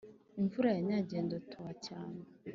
Imvura yanyagiye ndatoha cyane